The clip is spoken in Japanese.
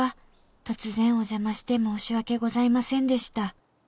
「突然お邪魔して申し訳ございませんでした」